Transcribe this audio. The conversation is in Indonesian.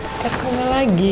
sekarang bunga lagi